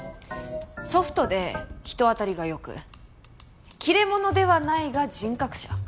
ソフトで人当たりがよく切れ者ではないが人格者。